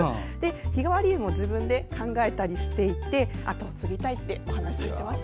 日替わり湯も自分で考えたりしていて跡を継ぎたいとおっしゃっていました。